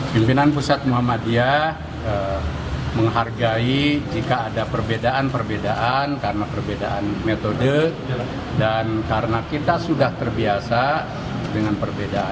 pimpinan pusat muhammadiyah menghargai jika ada perbedaan perbedaan karena perbedaan metode dan karena kita sudah terbiasa dengan perbedaan